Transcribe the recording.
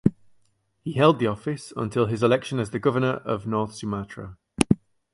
He held the office until his election as the Governor of North Sumatra.